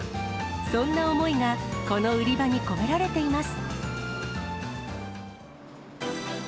そんな思いが、この売り場に込められています。